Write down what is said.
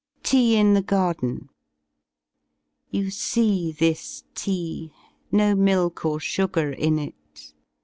TEA IN THE GARDEN You see thii Tea, no milk or sugar in it.